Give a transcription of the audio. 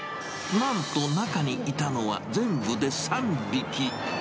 なんと中にいたのは全部で３匹。